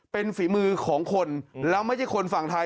เป็นฝีมือของคนแล้วไม่ใช่คนฝั่งไทย